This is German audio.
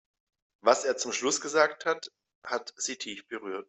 Was er zum Schluss gesagt hat, hat sie tief berührt.